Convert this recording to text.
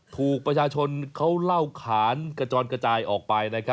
ถูกประชาชนเขาเล่าขานกระจอนกระจายออกไป